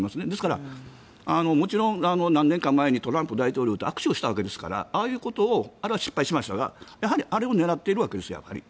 ですから、もちろん何年か前にトランプ大統領と握手したわけですからああいうことをあれは失敗しましたがあれを狙っているわけです。